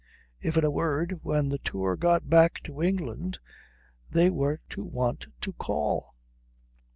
If, in a word, when the Tour got back to England, they were to want to call.